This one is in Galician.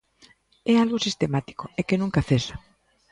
É algo sistemático e que nunca cesa.